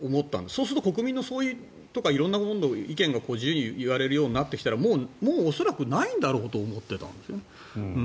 そうすると国民の総意とか色んなものが自由に言われるようになってきたらもう恐らくないんだろうと思っていたんですね。